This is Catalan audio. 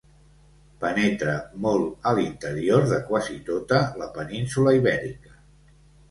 Penetra molt a l'interior de quasi tota la península Ibèrica.